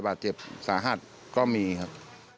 บาดเจ็บสาหัสก็มีครับ